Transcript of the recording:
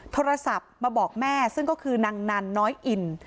โทรศัพท์มาบอกแม่ซึ่งก็คือนางนันน้อยอิน